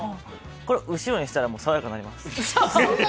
これを後ろにしたら爽やかになります。